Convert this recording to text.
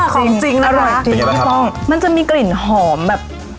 ของจริงอร่อยจริงพี่ป้องมันจะมีกลิ่นหอมแบบ